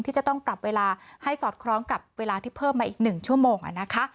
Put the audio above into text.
ที่จะต้องปรับเวลาให้สอดคล้องกับเวลาที่เพิ่มมาอีก๑ชั่วโมงนะคะ